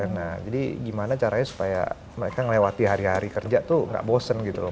nah jadi gimana caranya supaya mereka melewati hari hari kerja tuh gak bosen gitu loh